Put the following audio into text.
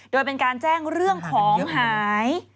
โดยเป็นการแจ้งเรื่องของหาย